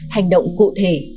hành động cụ thể